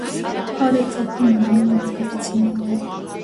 Խառը ծագում ունեն բալկարցիները։